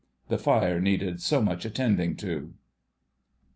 The fire needed so much attending to.